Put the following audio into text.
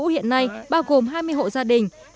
nam vũ hiện nay bao gồm hai mươi hộ gia đình